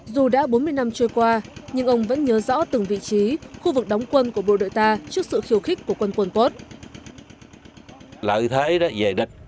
dù đã bốn mươi năm trôi qua nhưng ông vẫn nhớ rõ từng vị trí khu vực đóng quân của bộ đội ta trước sự khiêu khích của quân quân pốt